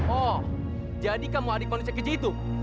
oh jadi kamu adik manusia keji itu